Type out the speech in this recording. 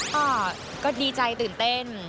ก็ดีใจตื่นเต้น